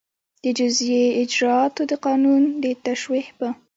د جزایي اجراآتو د قانون د توشېح په